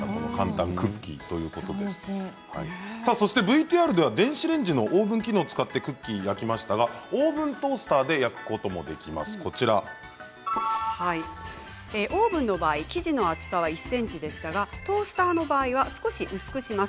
そしてＶＴＲでは電子レンジのオーブン機能を使ってクッキーを焼きましたがオーブントースターでオーブンの場合生地の厚さは１ｃｍでしたがトースターの場合は少し薄くします。